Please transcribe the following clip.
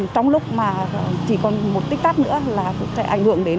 trong lúc mà chỉ còn một tích tắt nữa là có thể ảnh hưởng đến